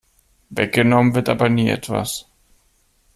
Weggenommen wird aber nie etwas.